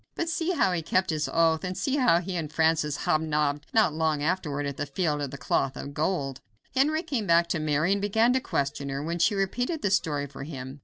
But see how he kept his oath, and see how he and Francis hobnobbed not long afterward at the Field of the Cloth of Gold. Henry came back to Mary and began to question her, when she repeated the story for him.